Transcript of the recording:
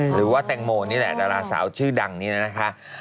หรือว่าแตงโมนี่แหละดาราสาวชื่อดังนี้นะคะ